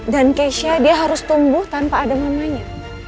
dan keisha dia harus tumbuh tanpa ada mamanya